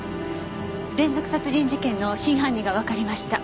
連続殺人事件の真犯人がわかりました。